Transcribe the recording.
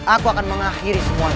aku akan mengakhiri semua ini